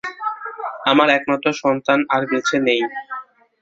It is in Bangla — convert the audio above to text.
আমার একমাত্র সন্তান আর বেঁচে নাই!